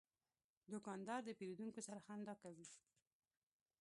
دوکاندار د پیرودونکو سره خندا کوي.